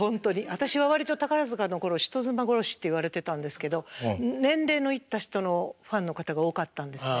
私は割と宝塚の頃「人妻殺し」って言われてたんですけど年齢のいった人のファンの方が多かったんですね。